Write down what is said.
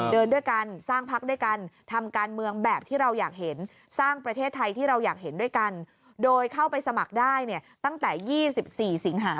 เดินด้วยกันสร้างพักด้วยกันทำการเมืองแบบที่เราอยากเห็นสร้างประเทศไทยที่เราอยากเห็นด้วยกันโดยเข้าไปสมัครได้เนี่ยตั้งแต่๒๔สิงหา